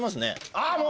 あぁもう！